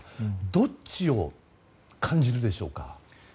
どっちを感じるでしょうか？